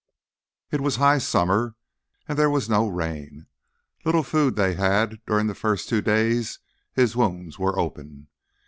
It was high summer, and there was no rain. Little food they had during the first two days his wounds were open.